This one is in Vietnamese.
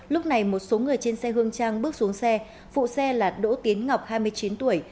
lúc này một số người trên xe hương trang bước xuống xe phụ xe là đỗ tiến ngọc hai mươi chín tuổi